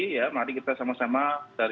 ya mari kita sama sama dari warga sekitar